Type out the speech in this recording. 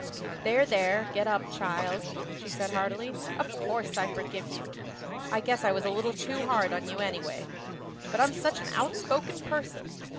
"There, there, get up, child," she said heartily. "Of course I forgive you. I guess I was a little too hard on you, anyway. But I'm such an outspoken person.